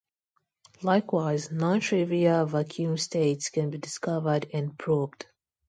Likewise, non-trivial vacuum states can be discovered and probed.